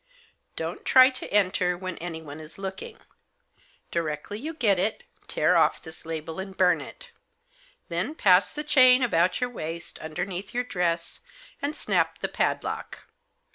Don't try to enter when anyone is looking. Directly you get it, tear off this label and burn it. Then pass the chain about your waist, underneath your dress, and snap the padlock.